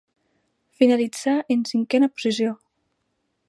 Finalitzà en cinquena posició.